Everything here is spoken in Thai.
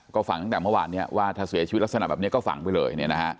ก็ฝังตั้งแต่เมื่อวานนี้ว่าถ้าเสียชีวิตลักษณะแบบนี้ก็ฝังไปเลย